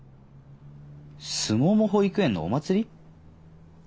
すもも保育園のお祭り？